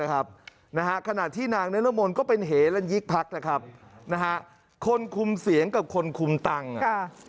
ขนาดที่นางนิลโมนก็เป็นเหตี้ยลันยิกพักคนคุมเสียงกับคนคุมตังค์